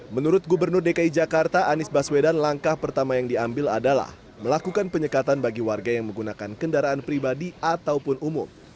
menurut gubernur dki jakarta anies baswedan langkah pertama yang diambil adalah melakukan penyekatan bagi warga yang menggunakan kendaraan pribadi ataupun umum